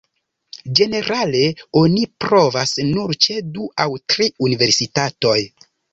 Ĝenerale oni provas nur ĉe du aŭ tri universitatoj.